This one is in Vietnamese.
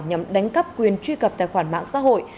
nhằm đánh cắp quyền truy cập tài khoản mạng xã hội